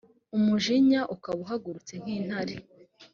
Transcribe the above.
umujinya ukaba uhagurutse nk’intare.